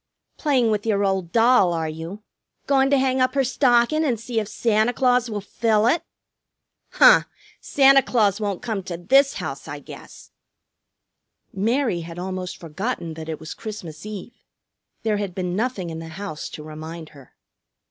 "Playing with your old doll, are you? Goin' to hang up her stockin' and see if Santa Claus will fill it?" "Huh! Santa Claus won't come to this house, I guess!" Mary had almost forgotten that it was Christmas Eve. There had been nothing in the house to remind her.